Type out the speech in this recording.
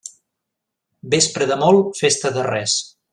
Vespra de molt, festa de res.